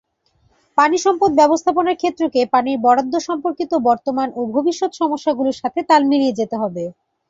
পানি সম্পদ ব্যবস্থাপনার ক্ষেত্রকে পানির বরাদ্দ সম্পর্কিত বর্তমান ও ভবিষ্যৎ সমস্যাগুলোর সাথে তাল মিলিয়ে যেতে হবে।